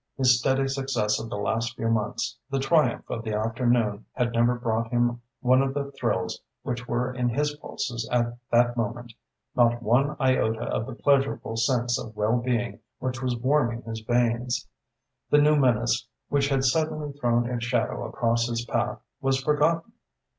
His steady success of the last few months, the triumph of the afternoon had never brought him one of the thrills which were in his pulses at that moment, not one iota of the pleasurable sense of well being which was warming his veins. The new menace which had suddenly thrown its shadow across his path was forgotten.